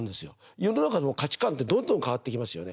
世の中の価値観ってどんどん変わっていきますよね。